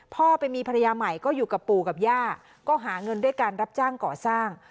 พ่อไปมีภรรยาใหม่ก็อยู่กับปู่กับย่าก็หาเงินด้วยการรับจ้างก่อสร้าง